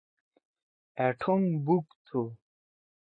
أ ٹھونگ بُک تُھو۔